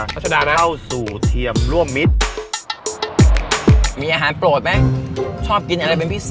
เป็นการเกี่ยวว่าวางอาหารญี่ปุ่นแน่นอน